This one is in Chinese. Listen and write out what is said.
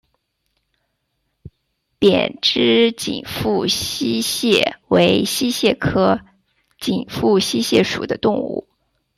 扁肢紧腹溪蟹为溪蟹科紧腹溪蟹属的动物。